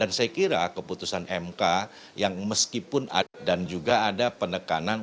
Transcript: nah keputusan mk yang meskipun dan juga ada penekanan